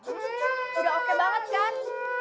udah oke banget kan